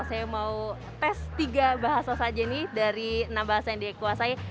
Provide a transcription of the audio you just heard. saya mau tes tiga bahasa saja nih dari enam bahasa yang dia kuasai